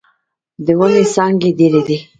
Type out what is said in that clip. د ونې څانګې ډيرې دې.